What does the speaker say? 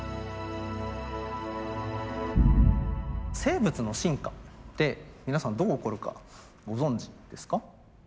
生物の進化って皆さんどう起こるかご存じですか？